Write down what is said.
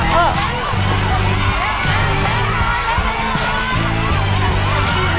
ใช่